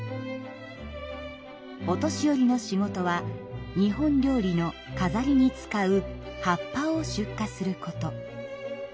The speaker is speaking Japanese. お年寄りの仕事は日本料理の飾りに使う葉っぱを出荷すること。